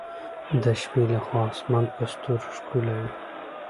د شپې له خوا اسمان په ستورو ښکلی وي.